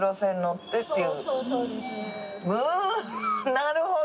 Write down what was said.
なるほど！